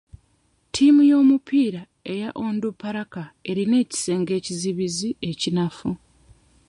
Ttiimu y'omupiira eya Onduparaka erina ekisenge ekizibizi ekinafu.